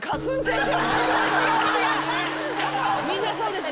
みんなそうです。